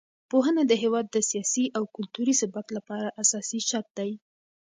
پوهنه د هېواد د سیاسي او کلتوري ثبات لپاره اساسي شرط دی.